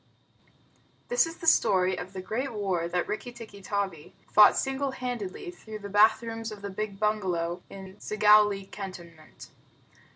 This is the story of the great war that Rikki tikki tavi fought single handed, through the bath rooms of the big bungalow in Segowlee cantonment.